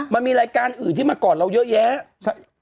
มันมีรายการอื่นที่มาก่อนเราเยอะแยะ